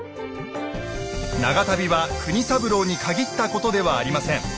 長旅は国三郎に限ったことではありません。